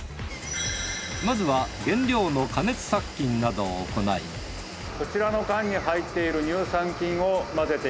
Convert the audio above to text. まずは原料の加熱殺菌などを行いこちらの缶に入っている。